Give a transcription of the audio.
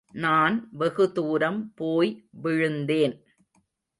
நான் வெகு தூரம் போய் விழுந்தேன்.